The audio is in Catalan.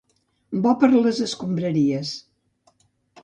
Bo per a les escombraries.